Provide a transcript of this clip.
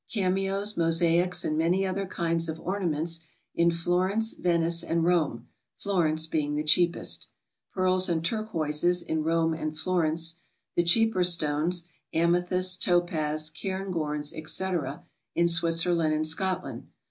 Cameos, mosaics, and many other kinds of ornaments, in Florence, Venice, and Rome, — Florence being the cheapest. Pearls and turquoises, in Rome and Florence. The cheaper stones, — ^amethysts, topaz, cairngorns, etc., — in Switzerland and Scotland.